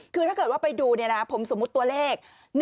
คือถ้าเกิดว่าไปดูผมสมมุติตัวเลข